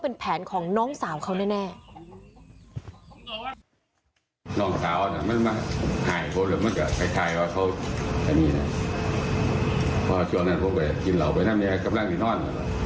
พอช่วงนั้นพวกเขากินเหล่าไปทั้งนี้กำลังอีกน้อน